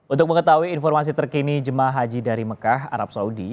untuk mengetahui informasi terkini jemaah haji dari mekah arab saudi